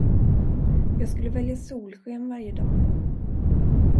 Jag skulle välja solsken varje dag.